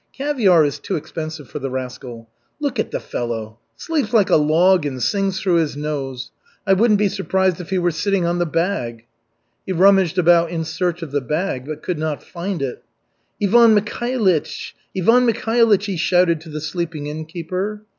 Caviar is too expensive for the rascal. Look at the fellow sleeps like a log and sings through his nose. I wouldn't be surprised if he were sitting on the bag." He rummaged about in search of the bag, but could not find it. "Ivan Mikhailych, Ivan Mikhailych," he shouted to the sleeping innkeeper.